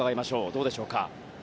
どうでしょうか？